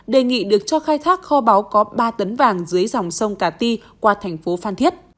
đề nghị được cho khai thác kho báo có ba tấn vàng dưới dòng sông cà ti qua thành phố phan thiết